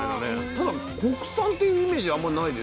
ただ国産っていうイメージあんまないですよね。